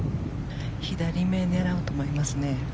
左めを狙うと思いますね。